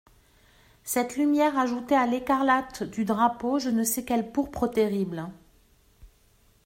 Cette lumière ajoutait à l'écarlate du drapeau je ne sais quelle pourpre terrible.